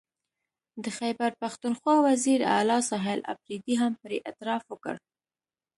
د خیبر پښتونخوا وزیر اعلی سهیل اپريدي هم پرې اعتراف وکړ